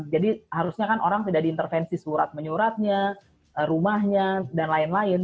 jadi harusnya kan orang tidak diintervensi surat menyuratnya rumahnya dan lain lain